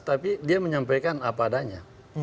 tapi dia menyampaikan apa adanya